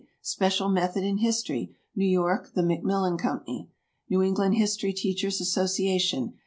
"Special Method In History." New York, the Macmillan Co. NEW ENGLAND HISTORY TEACHERS' ASSOCIATION.